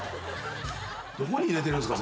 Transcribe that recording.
どこに入れてるんですか？